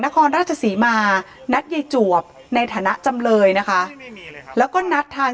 นครราชศรีมานัดยายจวบในฐานะจำเลยนะคะแล้วก็นัดทาง